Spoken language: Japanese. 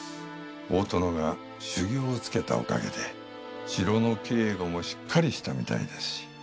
大殿が修業をつけたおかげで城の警護もしっかりしたみたいですし。